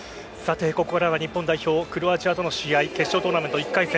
ここからは日本代表、クロアチアとの試合決勝トーナメント１回戦。